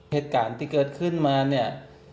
เหตุการณ์ที่เกิดขึ้นมาเนี่ย